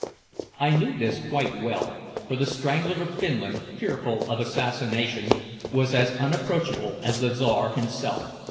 I knew this quite well, for the "Strangler of Finland," fearful of assassination, was as unapproachable as the Czar himself.